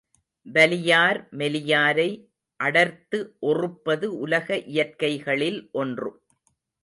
வலியார் மெலியாரை அடர்த்து ஒறுப்பது உலக இயற்கைகளில் ஒன்று.